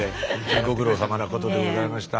ご苦労さまなことでございました。